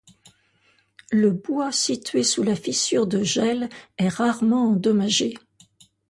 Le bois situé sous la fissure de gel est rarement endommagé.